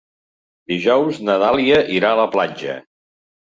Dijous na Dàlia irà a la platja.